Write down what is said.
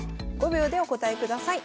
５秒でお答えください。